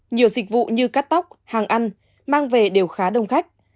nhiều dịch vụ như cắt tóc hàng ăn mang về đều khá đông khách